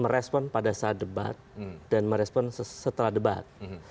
merespon pada saat debat dan merespon setelah debat